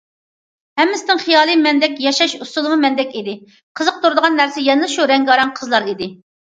ھەممىسىنىڭ خىيالى مەندەك، ياشاش ئۇسۇلىمۇ مەندەك ئىدى، قىزىقتۇرىدىغان نەرسە يەنىلا ئاشۇ رەڭگارەڭ قىزلار ئىدى.